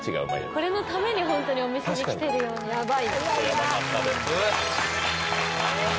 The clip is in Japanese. これのために本当にお店に来てるような食べたい！